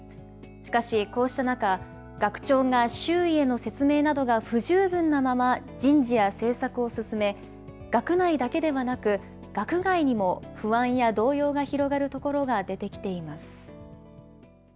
しかし、こうした中、学長が周囲への説明などが不十分なまま、人事や政策を進め、学内だけではなく、学外にも不安や動揺が広がるところが出てきています。